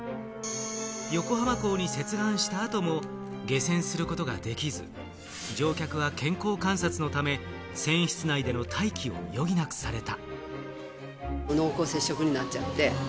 横浜港に接岸した後も下船することができず、乗客は健康観察のため船室内での待機を余儀なくされた。